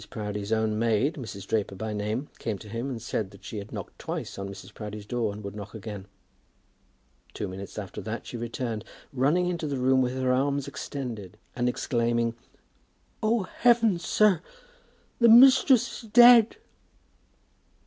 Proudie's own maid, Mrs. Draper by name, came to him and said that she had knocked twice at Mrs. Proudie's door and would knock again. Two minutes after that she returned, running into the room with her arms extended, and exclaiming, "Oh, heavens, sir; mistress is dead!"